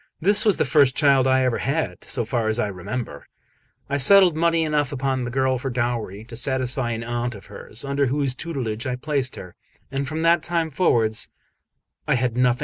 This was the first child I ever had, so far as I remember. I settled money enough upon the girl for dowry to satisfy an aunt of hers, under whose tutelage I placed her, and from that time forwards I had nothing more to do with her.